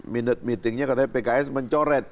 minute meetingnya katanya pks mencoret